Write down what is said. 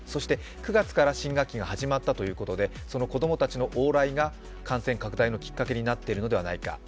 ９月から新学期が始まったということで、子供たちの往来が感染拡大のきっかけになっているのではないか。